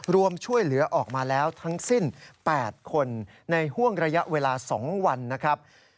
รวมช่วยเหลือออกมาแล้วทั้งสิ้น๘คนในห่วงระยะเวลา๒วันนะครับ